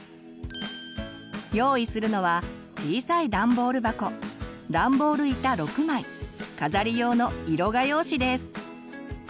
用意するのは小さいダンボール箱ダンボール板６枚飾り用の色画用紙です。